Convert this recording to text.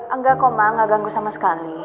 enggak kok ma nggak ganggu sama sekali